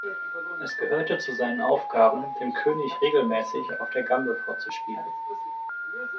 Es gehörte zu seinen Aufgaben, dem König regelmäßig auf der Gambe vorzuspielen.